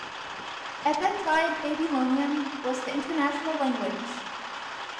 At that time Babylonian was the international language.